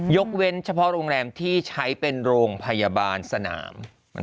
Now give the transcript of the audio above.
เว้นเฉพาะโรงแรมที่ใช้เป็นโรงพยาบาลสนาม